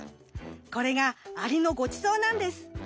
これがアリのごちそうなんです。